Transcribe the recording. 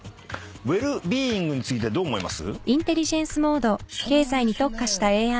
ウェルビーイングについてどう思います？